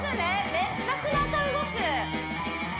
めっちゃ背中動く